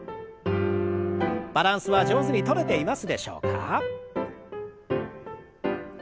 バランスは上手にとれていますでしょうか？